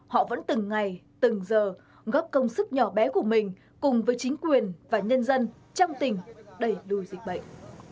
họ vẫn từng ngày từng giờ góp công sức nhỏ bé của mình cùng với chính quyền và nhân dân trong tỉnh đẩy lùi dịch bệnh